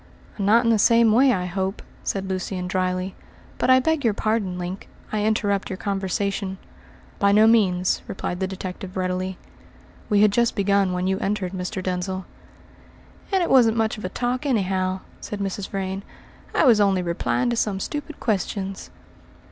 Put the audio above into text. "Not in the same way, I hope," said Lucian dryly. "But I beg your pardon, Link, I interrupt your conversation." "By no means," replied the detective readily. "We had just begun when you entered, Mr. Denzil." "And it wasn't much of a talk, anyhow," said Mrs. Vrain. "I was only replying to some stupid questions."